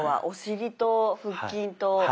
お尻と腹筋と。